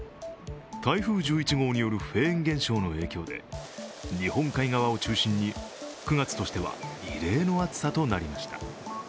台風１１号による、フェーン現象の影響で、日本海側を中心に９月としては異例の暑さとなりました。